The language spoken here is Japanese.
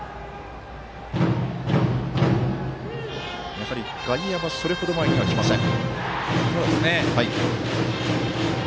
やはり外野はそれほど前には来ません。